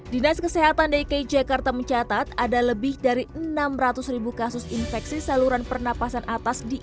dinas kesehatan dki jakarta mencatat ada lebih dari enam ratus ribu kasus infeksi saluran pernapasan atas di indonesia